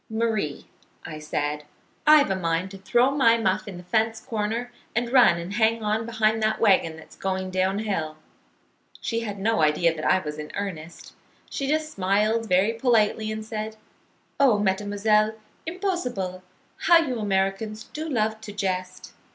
'Marie,' I said, 'I've a mind to throw my muff in the fence corner and run and hang on behind that wagon that's going down hill.' She had no idea that I was in earnest. She just smiled very politely and said, 'Oh, mademoiselle, impossible! How you Americans do love to jest.'